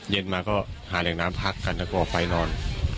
เย็นมาก็หาแหล่งน้ำพักกันแล้วก็ออกไปนอน